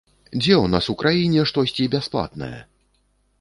Дзе ў нас у краіне штосьці бясплатнае?